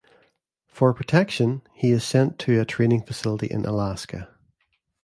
For protection, he is sent to a training facility in Alaska.